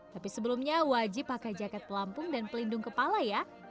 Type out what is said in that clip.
tapi sebelumnya wajib pakai jaket pelampung dan pelindung kepala ya